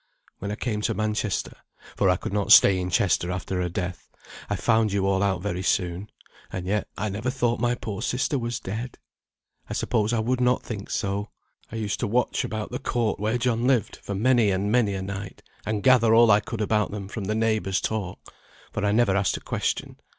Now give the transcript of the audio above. "When I came to Manchester (for I could not stay in Chester after her death), I found you all out very soon. And yet I never thought my poor sister was dead. I suppose I would not think so. I used to watch about the court where John lived, for many and many a night, and gather all I could about them from the neighbours' talk; for I never asked a question.